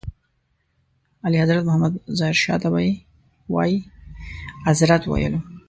اعلیحضرت محمد ظاهر شاه ته به یې وایي اذرت ویلو.